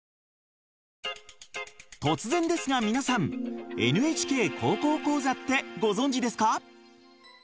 突然ですが皆さん「ＮＨＫ高校講座」ってご存じですか？